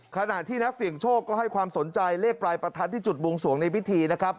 ขณะที่นักเสี่ยงโชคก็ให้ความสนใจเลขปลายประทัดที่จุดบวงสวงในพิธีนะครับ